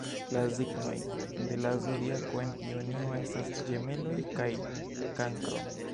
La signoj de la Zodiako en junio estas Ĝemeloj kaj Kankro.